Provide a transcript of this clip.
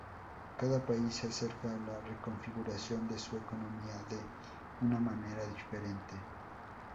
Cada país se acerca a la reconfiguración de su economía de una manera diferente.